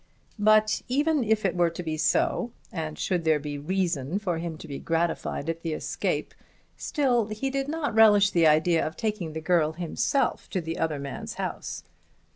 But, even were it to be so, and should there be reason for him to be gratified at the escape, still he did not relish the idea of taking the girl himself to the other man's house.